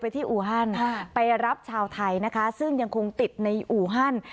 ที่อูฮันไปรับชาวไทยนะคะซึ่งยังคงติดในอู่ฮัน